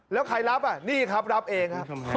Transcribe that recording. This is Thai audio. แล้วใครรับอ่ะนี่ครับรับเองครับ